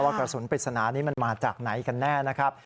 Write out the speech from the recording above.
กระสุนปริศนานี้มันมาจากไหนกันแน่นะครับ